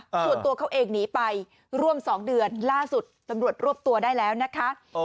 ส่วนตัวเขาเองหนีไปร่วม๒เดือนล่าสุดตำรวจรวบตัวได้แล้วนะคะ